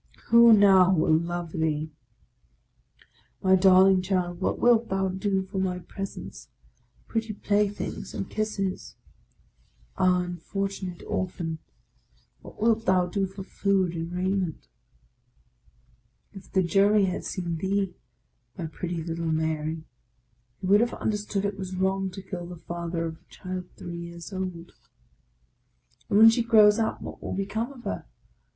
Who now will love thee? My darling child, what wilt thou do for my presents, 78 THE LAST DAY pretty play things, and kisses? Ah, unfortunate Orphan! What wilt thou do for food and raiment? If the Jury had seen thee, my pretty little Mary, they would have understood it was wrong to kill the Father of a child three years old. And when she grows up, what will become of her?